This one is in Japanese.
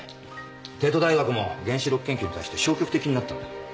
帝都大学も原子力研究に対して消極的になったんだ。